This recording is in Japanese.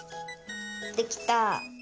できた。